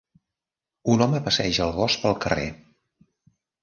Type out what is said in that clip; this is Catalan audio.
un home passeja el gos pel carrer.